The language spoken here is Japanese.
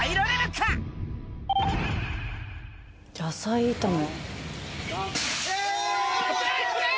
野菜炒め。